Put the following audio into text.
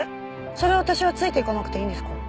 それ私はついていかなくていいんですか？